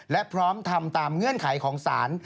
และพร้อมทำตามเงื่อนไขของศาล